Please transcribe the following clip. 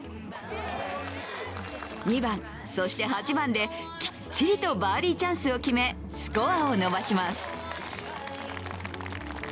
２番、そして８番できっちりとバーディーチャンスを決めスコアを伸ばします。